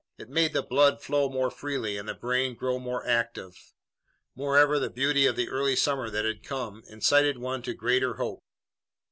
It made the blood flow more freely and the brain grow more active. Moreover, the beauty of the early summer that had come incited one to greater hope.